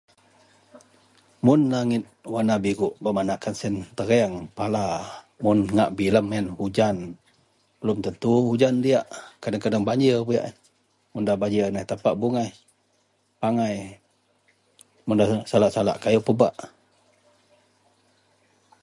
Mun langit werena biruk bermaknakan siyen tereang, pala. Mun ngak bilem yen ujan, belum tentu ujan diyak kadeng-kadeng banjir buyak yen. Mun nda banjir angai tapak bungaih, pangai. Mun nda salak-salak kayou pebak.